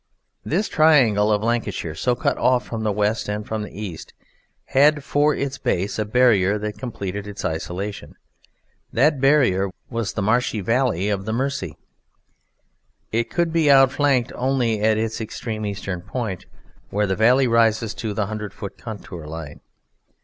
This triangle of Lancashire, so cut off from the west and from the east, had for its base a barrier that completed its isolation. That barrier was the marshy valley of the Mersey. It could be outflanked only at its extreme eastern point, where the valley rises to the hundred foot contour line.